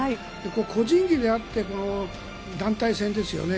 個人技であって団体戦ですよね。